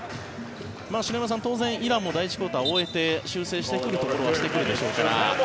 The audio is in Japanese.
篠山さん、当然イランも第１クオーターを終えて修正してくるところはしてくるでしょうから。